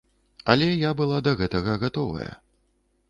Але я была да гэтага гатовая.